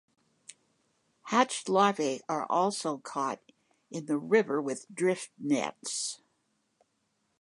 Hatched larvae are also caught in the river with drift nets.